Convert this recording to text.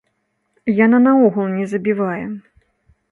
Яна наогул не забівае.